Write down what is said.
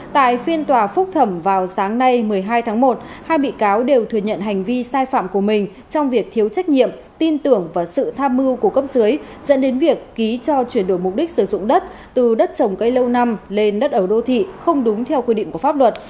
tại phiên tòa phúc thẩm vào sáng nay một mươi hai tháng một hai bị cáo đều thừa nhận hành vi sai phạm của mình trong việc thiếu trách nhiệm tin tưởng và sự tham mưu của cấp dưới dẫn đến việc ký cho chuyển đổi mục đích sử dụng đất từ đất trồng cây lâu năm lên đất ở đô thị không đúng theo quy định của pháp luật